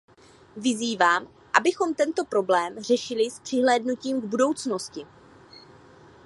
Vyzývám, abychom tento problém řešili s přihlédnutím k budoucnosti.